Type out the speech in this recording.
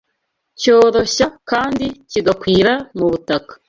cyoroshya kandi kigakwira mu butaka